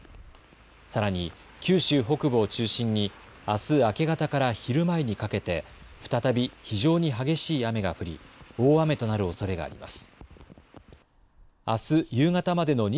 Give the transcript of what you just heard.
さらに九州北部を中心にあす明け方から昼前にかけて再び非常に激しい雨が降り大雨となるおそれがあります。